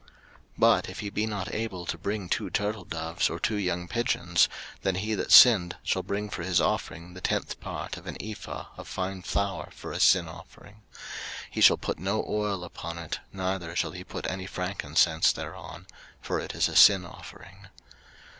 03:005:011 But if he be not able to bring two turtledoves, or two young pigeons, then he that sinned shall bring for his offering the tenth part of an ephah of fine flour for a sin offering; he shall put no oil upon it, neither shall he put any frankincense thereon: for it is a sin offering.